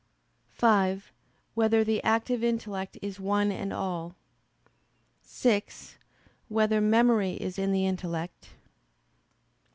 (5) Whether the active intellect is one in all? (6) Whether memory is in the intellect?